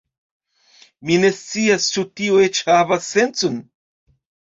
Mi ne scias, ĉu tio eĉ havas sencon